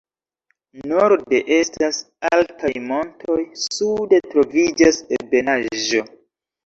Norde estas altaj montoj, sude troviĝas ebenaĵo.